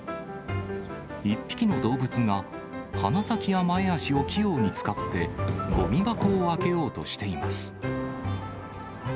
１匹の動物が、鼻先や前足を器用に使って、ごみ箱を開けようとしています。